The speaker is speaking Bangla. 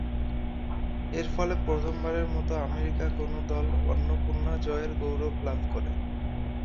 এর ফলে প্রথমবারের মত আমেরিকান কোন দল অন্নপূর্ণা জয়ের গৌরব লাভ করে।